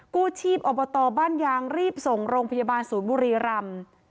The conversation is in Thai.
กู้ชีบอบตบ้านยางรีบส่งโรงพยาบาลภรรยาบร์ศูนย์บุรีราม